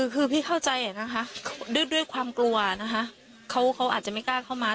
คือพี่เข้าใจนะคะด้วยความกลัวนะคะเขาอาจจะไม่กล้าเข้ามา